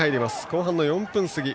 後半の４分過ぎ。